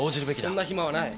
そんな暇はない。